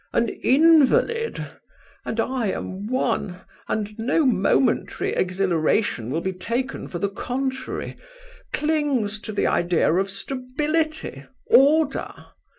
An invalid and I am one, and no momentary exhilaration will be taken for the contrary clings to the idea of stability, order.